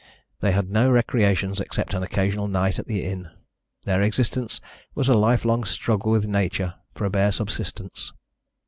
They had no recreations except an occasional night at the inn; their existence was a lifelong struggle with Nature for a bare subsistence.